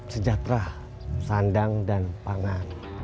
sejahtera sandang dan panang